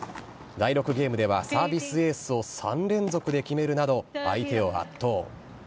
第６ゲームではサービスエースを３連続で決めるなど、相手を圧倒。